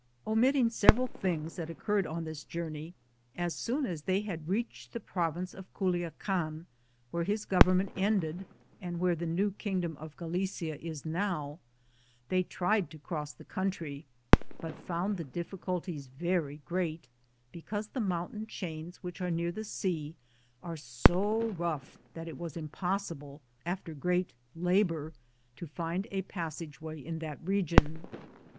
Omitting several things that occurred on this journey, as soon as they had reached the province of Culiacan, where his govern ment ended and where the New Kingdom of Galicia is now, they tried to cross the coun try, but found the difficulties very great, be cause the mountain chains which are near that sea are so rough that it was impossible, after great labor, to find a passageway in that region.